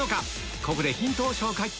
ここでヒントを紹介